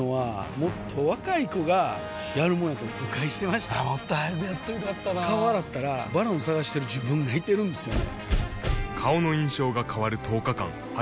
もっと早くやっといたら良かったなぁ顔洗ったら「ＶＡＲＯＮ」探してる自分がいてるんですよね